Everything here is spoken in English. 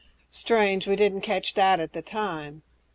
Strange we didn't catch that at the time."